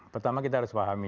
pertama kita harus pahami